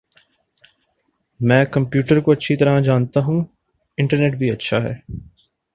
میں کمپیوٹرکو اچھی طرح جانتا ہوں انٹرنیٹ بھی اچھا ہے